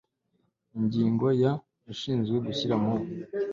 ingingo ya ushinzwe gushyira mu